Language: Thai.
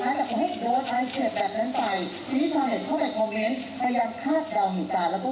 อะไรเจ็บแบบนั้นไปพี่ชาวเน็ตเข้าไปพยายามคาดเดาเหนือตาแล้วก็